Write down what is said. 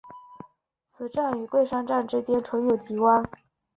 此站与桂山站之间存有急弯。